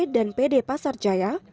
dan pd pasar jaya